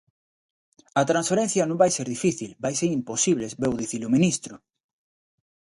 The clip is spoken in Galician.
A transferencia non vai ser difícil, vai ser imposible, veu dicir o ministro.